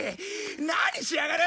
何しやがる！